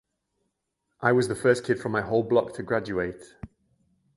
I was the first kid from my whole block to graduate.